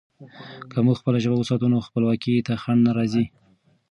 که موږ خپله ژبه وساتو، نو خپلواکي ته خنډ نه راځي.